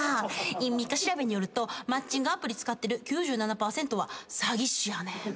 陰ミカ調べによるとマッチングアプリ使ってる９７％は詐欺師やねん。